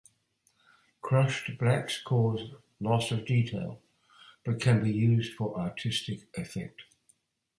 Crushed blacks cause loss of detail, but can be used for artistic effect.